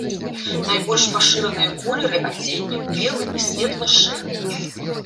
Найбольш пашыраныя колеры адзення белы і светла-шэры.